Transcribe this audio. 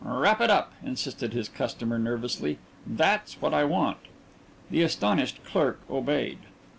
"Wrap it up," insisted his customer nervously. "That's what I want." The astonished clerk obeyed.